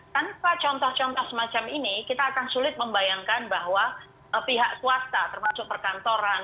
tanpa contoh contoh semacam ini kita akan sulit membayangkan bahwa pihak swasta termasuk perkantoran